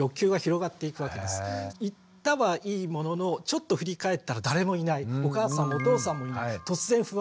行ったはいいもののちょっと振り返ったら誰もいないお母さんもお父さんもいない突然不安になる。